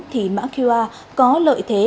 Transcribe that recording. thì mã qr có lợi thế